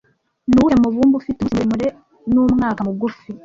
Nuwuhe mubumbe ufite umunsi muremure numwaka mugufi